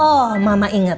oh mama inget